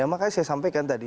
makanya saya sampaikan tadi